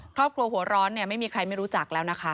ครอบครัวหัวร้อนเนี่ยไม่มีใครไม่รู้จักแล้วนะคะ